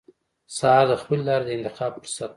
سهار د خپلې لارې د انتخاب فرصت دی.